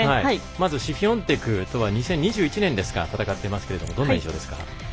まずシフィオンテクとは２０２１年に戦っていますがどんな印象ですか？